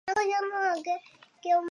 东汉中平六年诸郡。